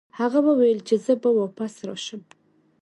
هغه وویل چې زه به واپس راشم.